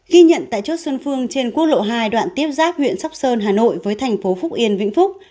ghi nhận tại chốt xuân phương trên quốc lộ hai đoạn tiếp giáp huyện sóc sơn hà nội với thành phố phúc yên vĩnh phúc